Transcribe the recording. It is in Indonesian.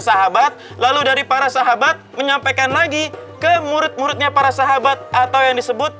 sahabat lalu dari para sahabat menyampaikan lagi ke murid muridnya para sahabat atau yang disebut